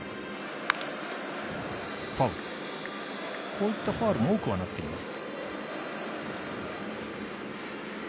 こういったファウルも多くはなっています。